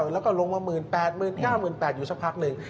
แล้วก็ลงมา๑๘๐๐๐๑๙๐๐๐๑๘๐๐๐อยู่สักพักหนึ่ง